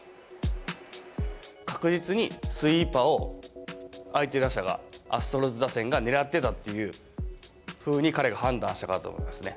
確実にスイーパーを相手打者が、アストロズ打線が狙ってたっていうふうに彼が判断したからだと思いますね。